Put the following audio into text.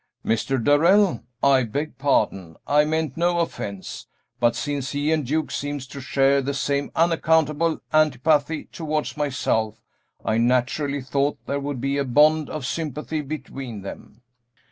"Mr. Darrell? I beg pardon, I meant no offence; but since he and Duke seem to share the same unaccountable antipathy towards myself, I naturally thought there would be a bond of sympathy between them."